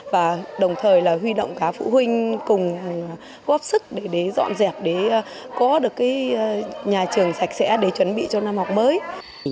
và đồng thời là huy động cả phụ huynh cùng góp sức để dọn dẹp để có được nhà trường sạch sẽ để chuẩn bị cho năm học mới